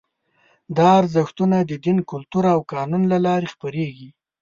دا ارزښتونه د دین، کلتور او قانون له لارې خپرېږي.